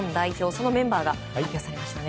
そのメンバーが発表されました。